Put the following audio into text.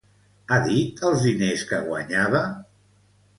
Ha dit els diners que guanyava?